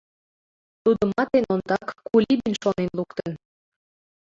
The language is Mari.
Тудымат эн ондак Кулибин шонен луктын.